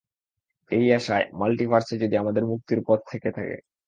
এই আশায়, মাল্টিভার্সে যদি আমাদের মুক্তির পথ থেকে থাকে।